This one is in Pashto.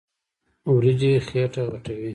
وريجې خيټه غټوي.